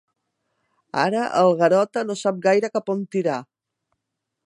Ara, el Garota no sap gaire cap on tirar.